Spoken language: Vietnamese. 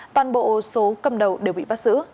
toàn bộ số cầm đầu đều bị bắt giữ